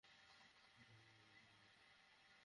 খঞ্জর এবং তলোয়ার শান দেয়াই ছিল তার পেশা।